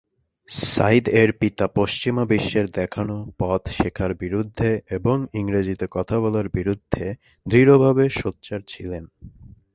সাইদ এর পিতা পশ্চিমা বিশ্বের দেখানো পথ শেখার বিরুদ্ধে এবং ইংরেজিতে কথা বলার বিরুদ্ধে দৃঢ়ভাবে সোচ্চার ছিলেন।